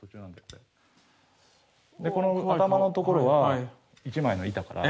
この頭のところは一枚の板から。